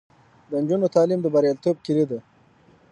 د نجونو تعلیم د بریالیتوب کیلي ده.